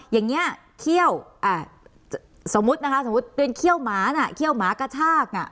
อย่างนี้เขี้ยวสมมุตินะคะสมมุติเป็นเขี้ยวหมาน่ะเขี้ยวหมากระชาก